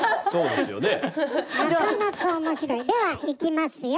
ではいきますよ。